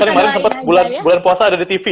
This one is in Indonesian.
sekarang sempet bulan puasa ada di tv ya